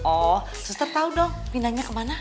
oh suster tau dong pindahnya kemana